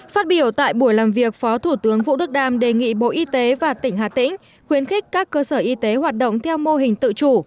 phát biểu tại buổi làm việc phó thủ tướng vũ đức đam đề nghị bộ y tế và tỉnh hà tĩnh khuyến khích các cơ sở y tế hoạt động theo mô hình tự chủ